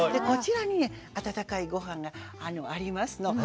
こちらにね温かいごはんがありますの。